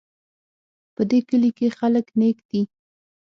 په دې کلي کې خلک نیک دي